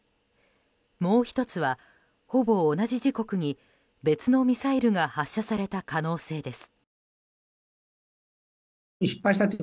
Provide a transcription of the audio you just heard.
もう１つはほぼ同じ時刻に別のミサイルが発射された可能性です。